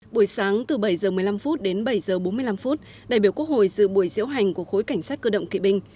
buổi sáng từ bảy h một mươi năm đến bảy h bốn mươi năm đại biểu quốc hội dự buổi diễu hành của khối cảnh sát cơ động kỵ binh